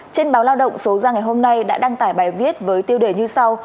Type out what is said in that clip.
trên báo lao động số ra ngày hôm nay đã đăng tải bài viết với tiêu đề như sau